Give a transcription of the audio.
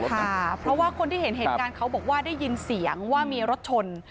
ค่ะเพราะว่าคนที่เห็นเหตุการณ์เขาบอกว่าได้ยินเสียงว่ามีรถชน